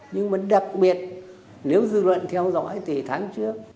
nhưng mà đặc biệt nếu dư luận theo dõi thì tháng trước